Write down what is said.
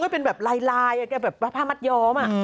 ฉันพูดกับคนอื่นก็ได้